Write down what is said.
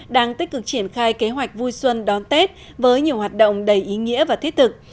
đang tích cực triển khai kế hoạch vui xuân đón tết với nhiều hoạt động đầy ý nghĩa và thiết thực